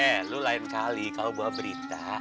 eh lu lain kali kalo buah berita